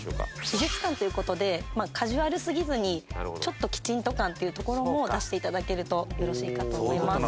美術館という事でカジュアルすぎずにちょっときちんと感っていうところも出して頂けるとよろしいかと思います。